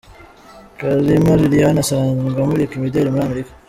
Kalima Liliane asanzwe amurika imideri muri Amerika .